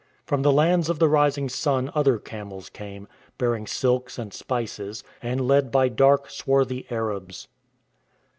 From the lands of the rising sun other camels came, bearing silks and spices, and led by dark, swarthy Arabs.